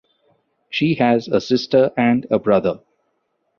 She has a sister and a brother.